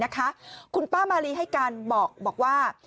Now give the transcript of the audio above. คุณป้ามาลีให้การบอกว่า